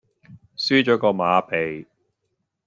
輸左個馬鼻